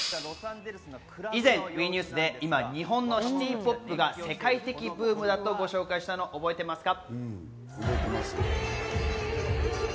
以前、ＷＥニュースで今、日本のシティ・ポップが世界的ブームだとご紹介したのを覚えていますか？